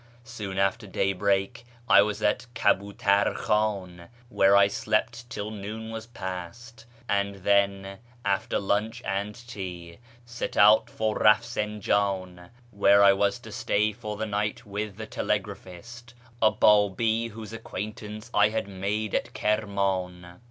Soon after daybreak I was at Kaljiitar Khan, where I slept till noon was passed, and then, after lunch and tea, set out for Eafsinjan, where I was to stay for the night with the telegraphist, a Babi whose acquaintance I had made at Kirman.